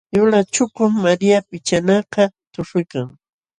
Yulaq chukum Maria pichanakaq tuśhuykan.